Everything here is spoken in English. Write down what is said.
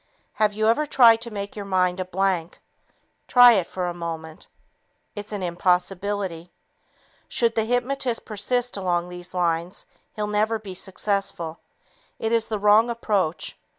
Have you ever tried to make your mind a blank? Try it for a moment. It's an impossibility. Should the hypnotist persist along these lines, he'll never be successful. It is the wrong approach.